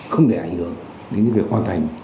không để ảnh hưởng đến việc hoàn thành